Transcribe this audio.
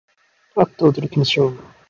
あっとおどろきました